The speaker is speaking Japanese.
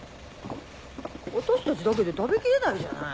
私たちだけで食べきれないじゃない。